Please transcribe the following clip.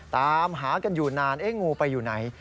ตามหากันอยู่นานงูไปอยู่ไหน